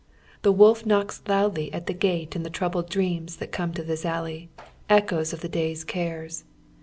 Tlie wolf kziocks loudly at tliG gate in the troubled dreams that coine to tliis alley,, echoes of the day's cares.